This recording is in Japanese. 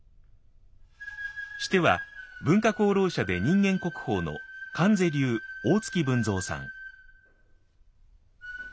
シテは文化功労者で人間国宝の観世流大槻文藏さん。